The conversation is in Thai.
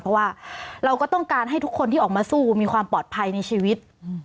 เพราะว่าเราก็ต้องการให้ทุกคนที่ออกมาสู้มีความปลอดภัยในชีวิต